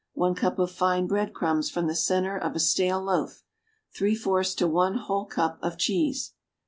1 cup of fine bread crumbs from the centre of a stale loaf. 3/4 to 1 whole cup of cheese.